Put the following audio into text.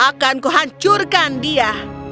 akanku hancurkan dia